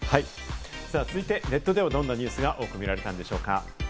続いて、ネットではどんなニュースが多く見られたんでしょうか。